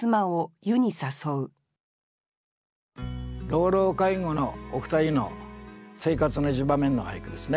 老老介護のお二人の生活の一場面の俳句ですね。